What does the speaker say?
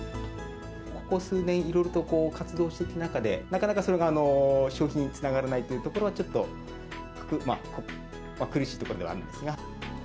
ここ数年、いろいろと活動していく中で、なかなかそれが消費につながらないというところは、ちょっと苦しいところではあるんですが。